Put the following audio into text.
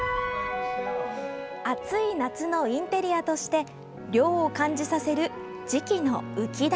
暑い夏のインテリアとして涼を感じさせる磁器の浮き球。